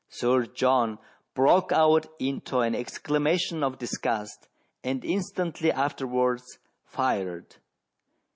Sir John broke out into an exclama tion of disgust, and instantly afterwards fired.